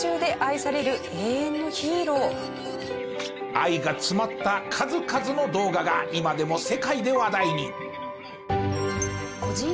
愛が詰まった数々の動画が今でも世界で話題に！